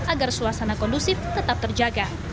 agar suasana kondusif tetap terjaga